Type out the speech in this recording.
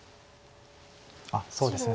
あっそうですね。